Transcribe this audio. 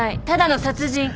ただの殺人。